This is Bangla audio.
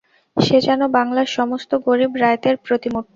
যে যেন বাংলার সমস্ত গরিব রায়তের প্রতিমূর্তি।